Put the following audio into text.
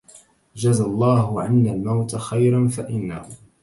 جزى الله عنا الموت خيرا فإنه